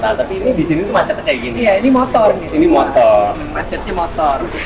tapi di sini macetnya kayak gini ini motor macetnya motor